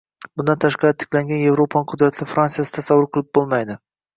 Bundan tashqari, tiklangan Yevropani qudratli Frantsiyasiz tasavvur qilib bo‘lmaydi